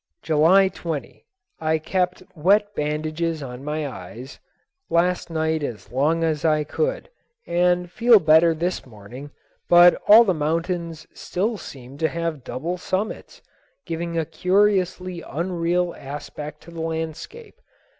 July 20. I kept wet bandages on my eyes last night as long as I could, and feel better this morning, but all the mountains still seem to have double summits, giving a curiously unreal aspect to the landscape.